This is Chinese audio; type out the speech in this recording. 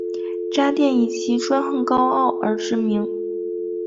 渣甸以其专横高傲而知名。